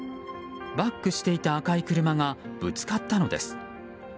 バックしていた赤い車がぶつかったのです。